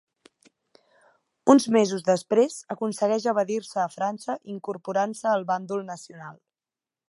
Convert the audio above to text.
Uns mesos després aconsegueix evadir-se a França incorporant-se al bàndol nacional.